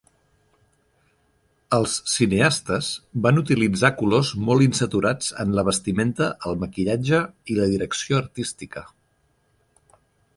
Els cineastes van utilitzar colors molt insaturats en la vestimenta, el maquillatge i la direcció artística.